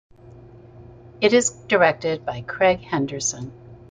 It is directed by Craig Henderson.